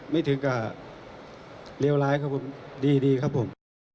ไม่ถึงกับเลวร้ายครับผมดีครับผม